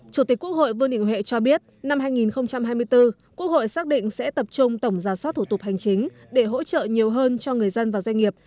chủ tịch quốc hội vương đình huệ cho biết năm hai nghìn hai mươi bốn quốc hội xác định sẽ tập trung tổng giả soát thủ tục hành chính để hỗ trợ nhiều hơn cho người dân và doanh nghiệp